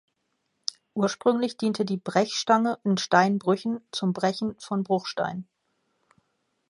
Ursprünglich diente die "Brech"stange in Stein"brüchen" zum "Brechen" von Bruchstein.